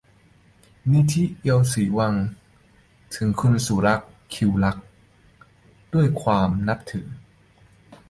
นิธิ เอียวศรีวงศ์ : ถึงคุณสุลักษณ์ ศิวรักษ์ ด้วยความนับถือ